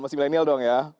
masih milenial dong ya